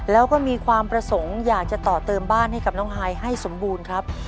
แล้วก็มีความประสงค์อยากจะต่อเติมบ้านให้กับน้องฮายให้สมบูรณ์ครับ